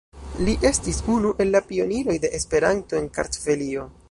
Li estis unu el la pioniroj de Esperanto en Kartvelio.